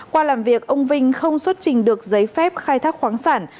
qua làm việc ông vinh không xuất trình được giấy phép khai thác khoáng sản